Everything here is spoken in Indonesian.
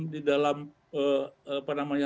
di dalam apa namanya